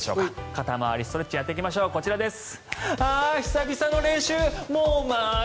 肩回りストレッチやっていきましょうこちらです。